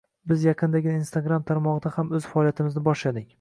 Biz yaqindagina instagram tarmog'ida ham o'z faoliyatimizni boshladik!